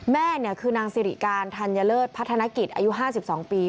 แม่คือนางสิริการธัญเลิศพัฒนกิจอายุ๕๒ปี